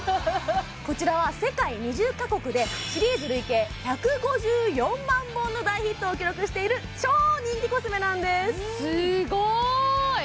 こちらは世界２０カ国でシリーズ累計１５４万本の大ヒットを記録している超人気コスメなんですすごい！